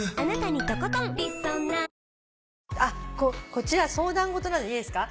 こちら相談事なのでいいですか？